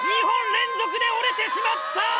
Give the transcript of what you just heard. ２本連続で折れてしまった。